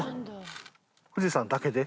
富士山だけで？